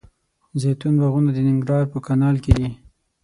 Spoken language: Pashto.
زیتون باغونه د ننګرهار په کانال کې دي.